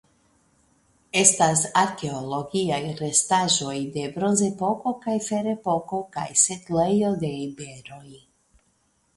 Estas arkeologiaj restaĵoj de Bronzepoko kaj Ferepoko kaj setlejo de iberoj.